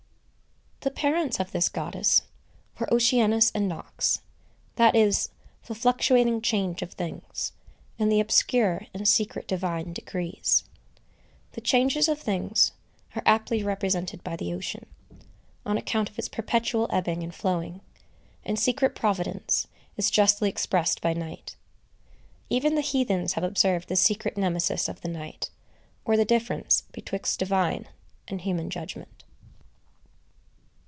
The parents of this goddess were Oceanus and Nox; that is, the fluctuating change of things, and the obscure and secret divine decrees. The changes of things are aptly represented by the Ocean, on account of its perpetual ebbing and flowing; and secret providence is justly expressed by Night. Even the heathens have observed this secret Nemesis of the night, or the difference betwixt divine and human judgment.